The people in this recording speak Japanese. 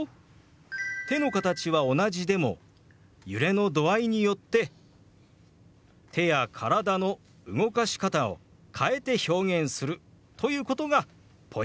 手の形は同じでも揺れの度合いによって手や体の動かし方を変えて表現するということがポイントですよ。